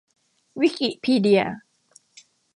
วิกิพีเดีย